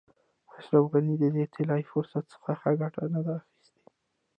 اشرف غني د دې طلایي فرصت څخه ښه ګټه نه ده اخیستې.